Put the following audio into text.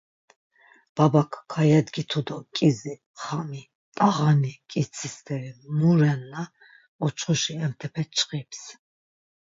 Babak kayedgitu do k̆izi, xami, t̆ağani, k̆itsi steri mu renna oçxuşi emtepe çxips.